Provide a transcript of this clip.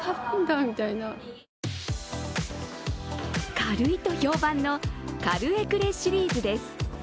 軽いと評判のカル：エクレシリーズです。